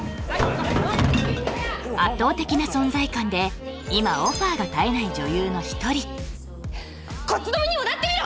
てりゃ圧倒的な存在感で今オファーが絶えない女優の一人こっちの身にもなってみろ！